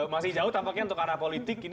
masih jauh tampaknya untuk arah politik ini